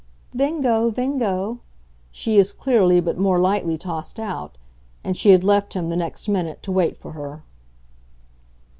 "Vengo, vengo!" she as clearly, but more lightly, tossed out; and she had left him the next minute to wait for her.